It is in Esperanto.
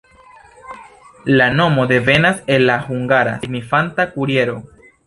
La nomo devenas el la hungara, signifanta kuriero.